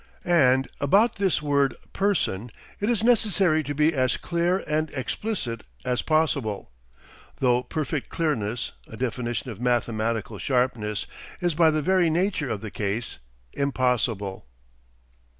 And about this word "person" it is necessary to be as clear and explicit as possible, though perfect clearness, a definition of mathematical sharpness, is by the very nature of the case impossible.